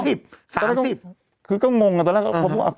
ตอนนั้นก็คือก็งงอะตอนนั้นก็พอพูดว่า